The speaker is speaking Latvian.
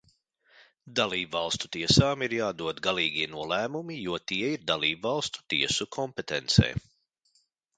Dalībvalstu tiesām ir jādod galīgie nolēmumi, jo tie ir dalībvalstu tiesu kompetencē.